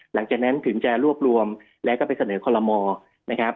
หลังจากนั้นถึงจะรวบรวมแล้วก็ไปเสนอคอลโลมอนะครับ